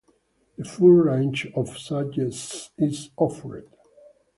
The full range of subjects is offered.